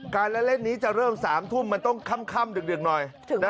การเล่นนี้จะเริ่ม๓ทุ่มมันต้องค่ำดึกหน่อย